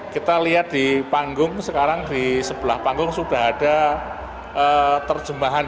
kita lihat di panggung sekarang di sebelah panggung sudah ada terjemahan